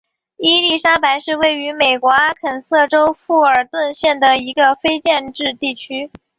伊莉莎白是位于美国阿肯色州富尔顿县的一个非建制地区。